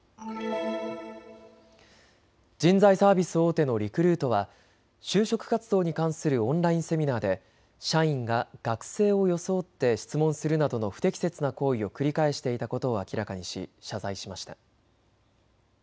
人材サービス大手のリクルートは就職活動に関するオンラインセミナーで社員が学生を装って質問するなどの不適切な行為を繰り返していたことを明らかにし謝罪しました。